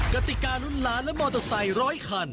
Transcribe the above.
กติการุ่นล้านและมอเตอร์ไซค์ร้อยคัน